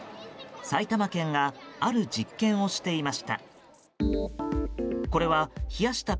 埼玉県がある実験をしていました。